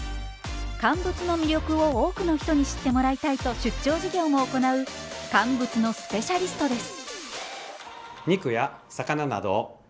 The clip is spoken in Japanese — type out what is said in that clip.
乾物の魅力を多くの人に知ってもらいたいと出張授業も行う乾物のスペシャリストです。